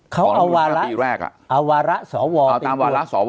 เขารวาละรักอะเอาหวาระสอวอไปเอาตามหวาระสอวอ